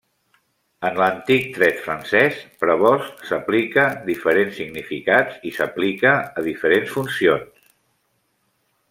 En l'antic dret francès, prebost s'aplica diferents significats i s'aplica a diferents funcions.